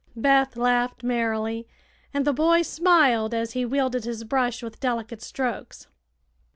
Beth laughed merrily, and the boy smiled as he wielded his brush with delicate strokes.